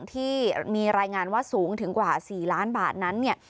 ที่มีรายงานว่าสูงถึงกว่า๔ล้านบาทนั้นเนี่ย